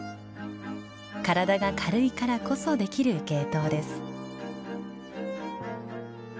体が軽いからこそできる芸当です。